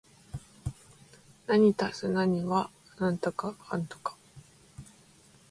一足す一は一ー